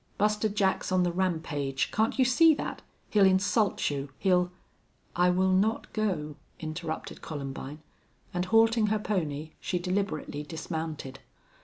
"Buster Jack's on the rampage. Can't you see that? He'll insult you. He'll " "I will not go," interrupted Columbine, and, halting her pony, she deliberately dismounted.